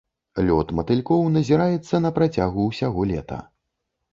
Лёт матылькоў назіраецца на працягу ўсяго лета.